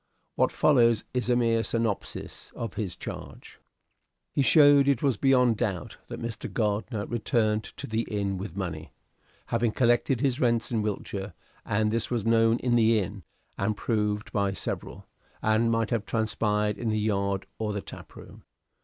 What follows is a mere synopsis of his charge. He showed it was beyond doubt that Mr. Gardiner returned to the inn with money, having collected his rents in Wiltshire; and this was known in the inn, and proved by several, and might have transpired in the yard or the taproom.